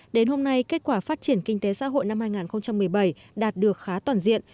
đến hôm nay kết quả phát triển kinh tế xã hội năm hai nghìn một mươi bảy đạt được khá toàn diện